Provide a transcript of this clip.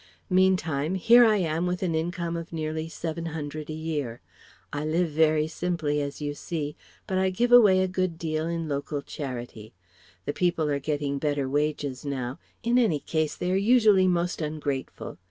Meantime, here I am with an income of nearly £700 a year. I live very simply, as you see, but I give away a good deal in local charity. The people are getting better wages now; in any case they are usually most ungrateful.